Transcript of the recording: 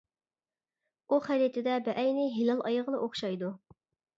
ئۇ خەرىتىدە بەئەينى ھىلال ئايغىلا ئوخشايدۇ.